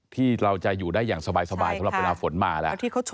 ที่เราจะอยู่ได้อย่างสบายสำหรับเวลาฝนมาแล้ว